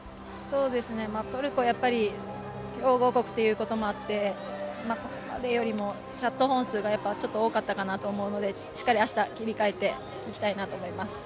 トルコは強豪国ということもあって誰よりもシャット本数が多かったなと思うのでしっかりあした切り替えていきたいなと思います。